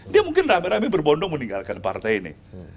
dia mungkin rame rame berbondong meninggalkan partai ini